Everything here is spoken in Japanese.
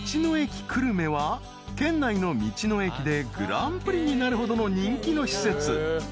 ［県内の道の駅でグランプリになるほどの人気の施設］